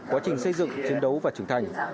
quá trình xây dựng chiến đấu và trưởng thành